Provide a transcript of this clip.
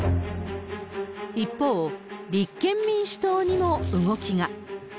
一方、立憲民主党にも動きが。